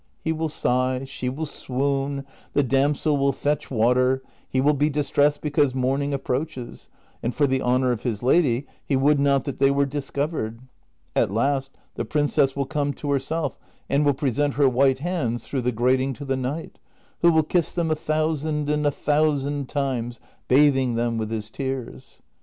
He will sigh, she will swoon, the damsel will fetch water, he will be distressed because morning approaches, and for the honor of his lady he would not that they were dis covered ; at last the princess will come to herself and will present her white hands through the grating to the knight, who will kiss them a thousand and a thousand times, bathing them with his tears.